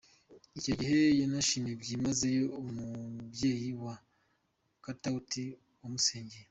Icyo gihe yanashimiye byimazeyo umubyeyi wa Katauti wamusengeye.